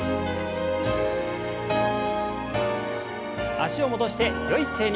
脚を戻してよい姿勢に。